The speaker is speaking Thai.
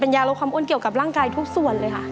ยาลดความอ้วนเกี่ยวกับร่างกายทุกส่วนเลยค่ะ